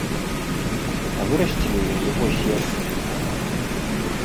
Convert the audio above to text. А вырасцілі яе вось як.